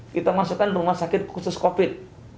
kita masukkan rumah sakit khusus covid